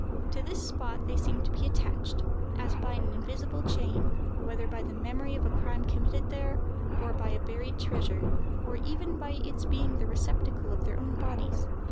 To this spot they seem to be attached, as by an invisible chain, whether by the memory of a crime committed there, or by a buried treasure, or even by its being the receptacle of their own bodies.